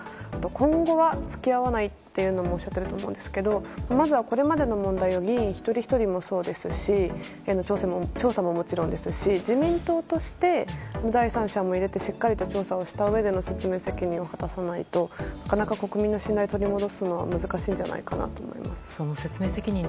今後は付き合わないとおっしゃっていると思うんですがまずは、これまでの問題を議員一人ひとりもそうですし調査ももちろんですし自民党として第三者も入れてしっかりと調査をしたうえで説明責任を果たさないとなかなか国民の信頼を取り戻すのは難しいんじゃないかと思います。